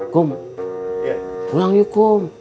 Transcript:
kum pulang yukum